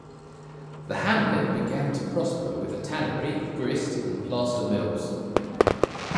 The hamlet began to prosper with a tannery, grist and plaster mills.